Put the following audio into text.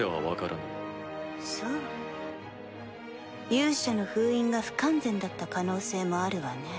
勇者の封印が不完全だった可能性もあるわね。